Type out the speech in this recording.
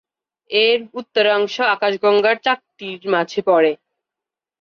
এর উত্তরাংশ আকাশগঙ্গার চাকতির মাঝে পড়ে।